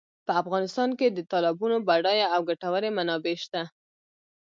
په افغانستان کې د تالابونو بډایه او ګټورې منابع شته.